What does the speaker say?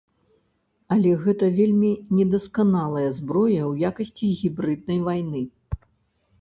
Але гэта вельмі недасканалая зброя ў якасці гібрыднай вайны.